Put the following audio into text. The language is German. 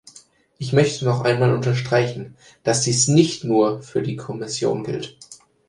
Ich möchte noch einmal unterstreichen, dass dies nicht nur für die Kommission gilt.